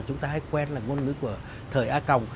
chúng ta hay quen là ngôn ngữ của thời a còng